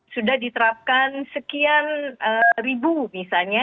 sudah diterapkan sekian ribu misalnya